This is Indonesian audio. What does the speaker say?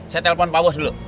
saya telpon pak bos dulu